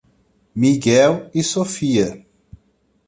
Miguel e Sophia